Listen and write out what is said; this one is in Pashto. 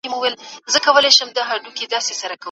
زه به په راتلونکي کي خپلو زده کړو ته لېوالتیا ولرم.